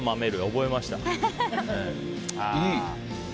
覚えました。